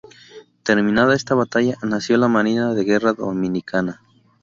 Terminada esta batalla, nació la Marina de Guerra Dominicana.